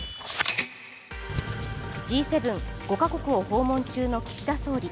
Ｇ７・５か国を訪問中の岸田総理。